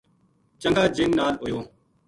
چنگا جن نال ہویو